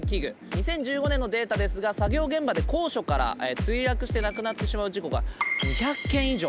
２０１５年のデータですが作業現場で高所から墜落して亡くなってしまう事故が２００件以上。